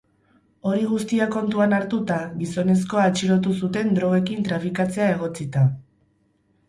Hori guztia kontuan hartuta, gizonezkoa atxilotu zuten drogekin trafikatzea egotzita.